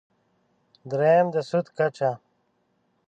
درېیم: د سود کچه.